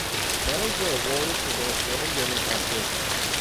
Medals were awarded for both men and women competitions.